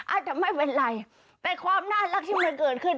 อาจจะไม่เป็นไรแต่ความน่ารักที่มันเกิดขึ้น